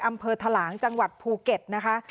อำเภอทะหลางจังหวัดภูเก็ตนะคะ